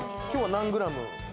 今日は何グラム？